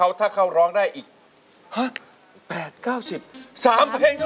ด้านล่างเขาก็มีความรักให้กันนั่งหน้าตาชื่นบานมากเลยนะคะ